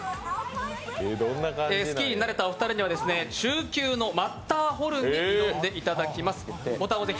スキーに慣れたお二人には中級のマッターホルンに挑んでいただきます。